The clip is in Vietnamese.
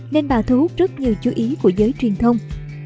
nên bà thu hút rất nhiều chú ý của giới truyền thông